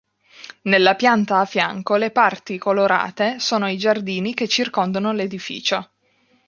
Nella pianta a fianco le parti colorate sono i giardini che circondano l'edificio.